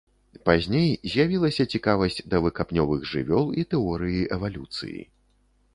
Пазней з'явілася цікавасць да выкапнёвых жывёл і тэорыі эвалюцыі.